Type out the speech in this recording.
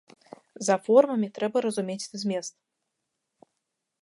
За формамі трэба разумець змест.